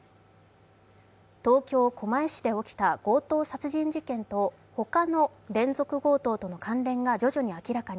東京・狛江市で起きた強盗殺人事件と他の連続強盗との関連が徐々に明らかに。